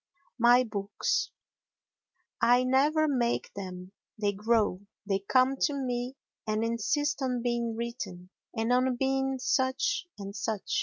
My Books I never make them: they grow; they come to me and insist on being written, and on being such and such.